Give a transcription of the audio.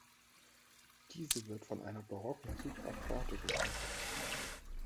Diese wird von einer barocken Supraporte geschmückt.